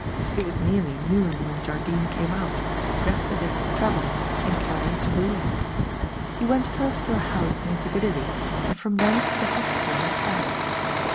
It was nearly noon when Jardine came out, dressed as if for travelling and carrying a valise. He went first to a house near Piccadilly and from thence to the hospital in a cab.